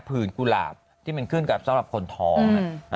ผืนกุหลาบที่มันขึ้นกับสำหรับคนท้อง